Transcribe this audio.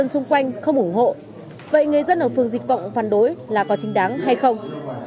xung quanh không ủng hộ vậy người dân ở phường dịch vọng phản đối là có chính đáng hay không